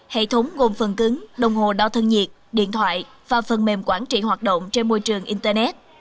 hệ thống gồm phần cứng đồng hồ đo thân nhiệt điện thoại và phần mềm quản trị hoạt động trên môi trường internet